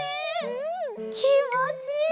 うんきもちいい！